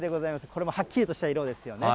これもはっきりとした色ですよね。